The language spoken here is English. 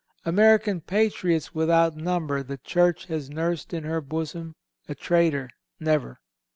American patriots without number the Church has nursed in her bosom; a traitor, never.